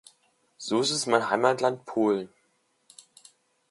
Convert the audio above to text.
So ist es in meinem Heimatland Polen.